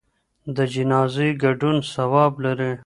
د جنازې ګډون ثواب لري.